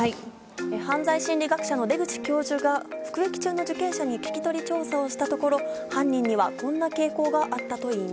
犯罪心理学者の出口教授が服役中の受刑者に聞き取り調査をしたところ犯人にはこんな傾向があったといいます。